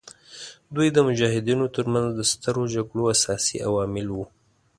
دوی د مجاهدینو تر منځ د سترو جګړو اساسي عوامل وو.